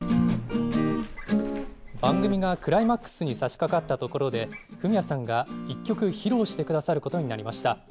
番組がクライマックスにさしかかったところでフミヤさんが１曲、披露してくださることになりました。